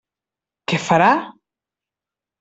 Què farà?